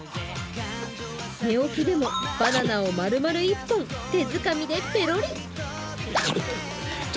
寝起きでもバナナを丸々１本、手づかみでぺろり。